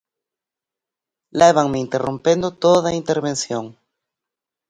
Lévanme interrompendo toda a intervención.